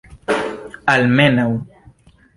almenaŭ